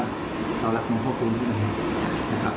ที่จะได้เห็นว่าเรารักคุณพระคุณ